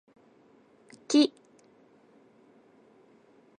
木